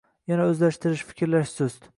Yana o‘zlashtirish, fikrlash sust.